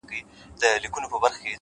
د زړه سکون له پاک نیت راټوکېږي؛